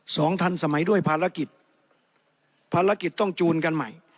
ทันสมัยด้วยภารกิจภารกิจต้องจูนกันใหม่